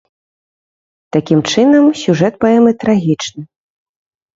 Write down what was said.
Такім чынам, сюжэт паэмы трагічны.